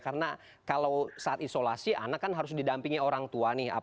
karena kalau saat isolasi anak kan harus didampingi orang tua nih